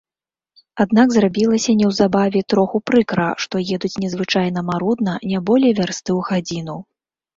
Аднак зрабілася неўзабаве троху прыкра, што едуць незвычайна марудна, не болей вярсты ў гадзіну.